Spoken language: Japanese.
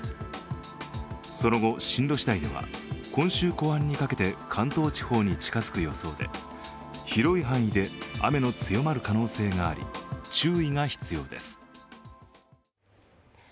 その後、進路しだいでは今週後半にかけて関東地方に近づく予想で広い範囲で雨の強まる可能性があり注意が必要です。